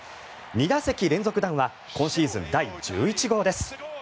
２打席連続弾は今シーズン第１１号です。